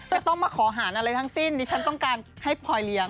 ต้องมาขอหารอะไรทั้งสิ้นดิฉันต้องการให้พลอยเลี้ยง